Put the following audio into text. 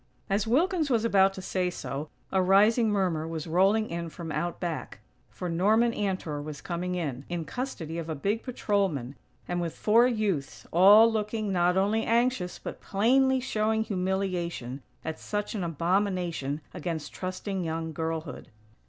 As Wilkins was about to say so, a rising murmur was rolling in from out back, for Norman Antor was coming in, in custody of a big patrolman, and with four youths, all looking, not only anxious, but plainly showing humiliation at such an abomination against trusting young girlhood.